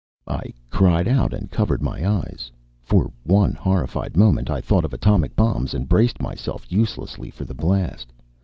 I cried out and covered my eyes; for one horrified moment, I thought of atomic bombs and braced myself uselessly for the blast.